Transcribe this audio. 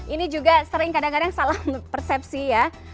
ini juga sering kadang kadang salah persepsi ya